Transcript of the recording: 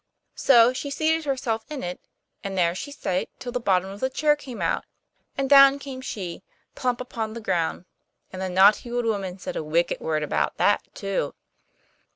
So she seated herself in it, and there she sate till the bottom of the chair came out, and down came she, plump upon the ground. And the naughty old woman said a wicked word about that too.